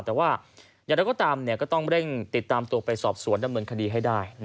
แต่ว่าอย่างไรก็ตามก็ต้องเร่งติดตามตัวไปสอบสวนดำเนินคดีให้ได้